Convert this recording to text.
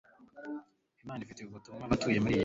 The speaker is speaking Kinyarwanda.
Imana ifitiye ubutumwa abatuye imijyi yacu